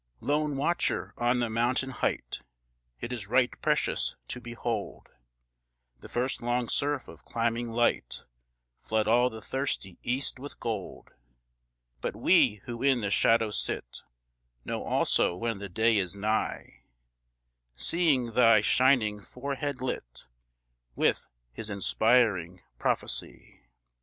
Lone watcher on the mountain height! It is right precious to behold The first long surf of climbing light Flood all the thirsty east with gold; But we, who in the shadow sit, Know also when the day is nigh, Seeing thy shining forehead lit With his inspiring prophecy.